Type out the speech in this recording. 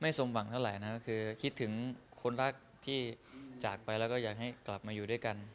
สมหวังเท่าไหร่นะคือคิดถึงคนรักที่จากไปแล้วก็อยากให้กลับมาอยู่ด้วยกัน